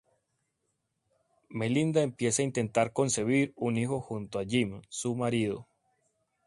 Melinda empieza a intentar concebir un hijo junto a Jim, su marido.